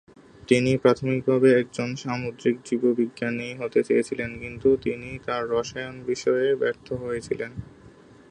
তিনি প্রাথমিকভাবে একজন সামুদ্রিক জীববিজ্ঞানী হতে চেয়েছিলেন, কিন্তু তিনি তার রসায়ন বিষয়ে ব্যর্থ হয়েছিলেন।